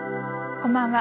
こんばんは。